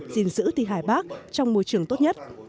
gìn giữ thi hải bác trong môi trường tốt nhất